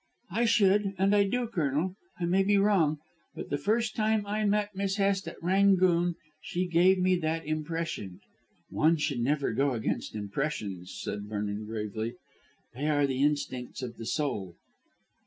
"I should, and I do, Colonel. I may be wrong, but the first time I met Miss Hest at 'Rangoon' she gave me that impression." "One should never go against impressions," said Vernon gravely; "They are the instincts of the soul."